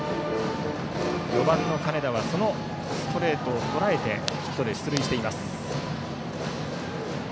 ４番、金田はそのストレートをとらえてヒットで出塁しています。